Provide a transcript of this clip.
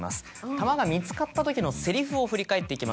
玉が見つかったときのセリフを振り返っていきましょう。